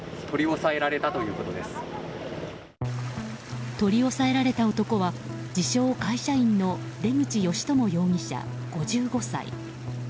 取り押さえられた男は自称会社員の出口善知容疑者、５５歳。